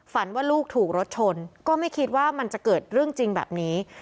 ว่าลูกถูกรถชนก็ไม่คิดว่ามันจะเกิดเรื่องจริงแบบนี้